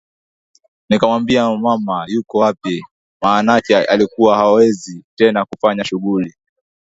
nikamwambia mama yuko wapi maanake alikuwa hawezi tena kufanya shughuli